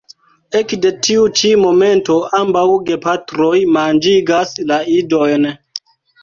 Ekde tiu ĉi momento ambaŭ gepatroj manĝigas la idojn.